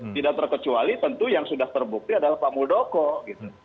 tidak terkecuali tentu yang sudah terbukti adalah pak muldoko gitu